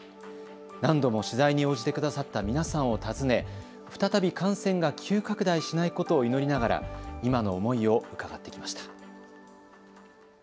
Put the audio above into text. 何度も取材に応じてくださった皆さんを訪ね再び感染が急拡大しないことを祈りながら今の思いを伺ってきました。